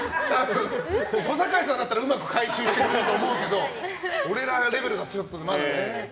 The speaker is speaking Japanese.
小堺さんだったらうまく回収してくれると思うけど俺らレベルはちょっとね。